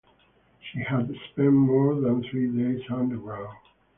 She had spent more than three days underground.